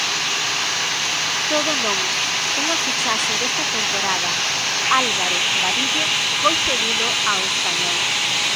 Todo non, unha fichaxe desta temporada, Álvaro Vadillo, foi cedido ao Español.